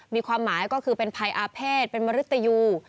มีความหมายก็คือเป็นภัยอาเพศเป็นมริตยู